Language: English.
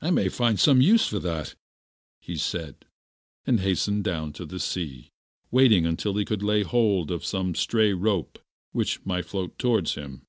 I may find some use for that,' he said; and hastened down to the sea, waiting till he could lay hold of some stray rope which might float towards him.